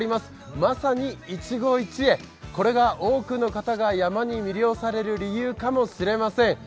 まさに一期一会、これが多くの方が山に魅了される理由かもしれません。